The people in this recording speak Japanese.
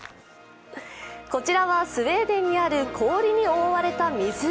こちらはスウェーデンにある氷に覆われた湖。